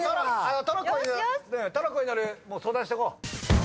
トロッコに乗る相談しとこう。